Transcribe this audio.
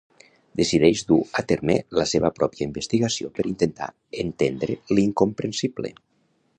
Decideix dur a terme la seva pròpia investigació per intentar entendre l'incomprensible.